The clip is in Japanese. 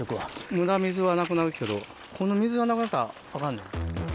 無駄水はなくなるけどこの水がなくなったらアカンねん。